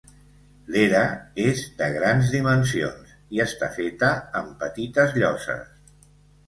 L'era és de grans dimensions i està feta amb petites lloses.